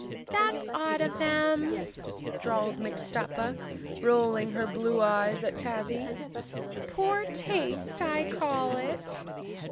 "That's odd of them," drawled Mixtuppa, rolling her blue eyes at Tazzy. "Poor taste I call it!"